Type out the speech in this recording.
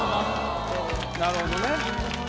なるほどね。